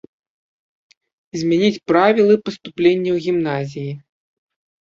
Змяніць правілы паступлення ў гімназіі.